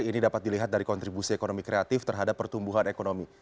ini dapat dilihat dari kontribusi ekonomi kreatif terhadap pertumbuhan ekonomi